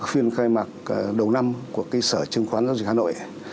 phiên khai mạc đầu năm của cái sở chương khoán giáo dịch hà nội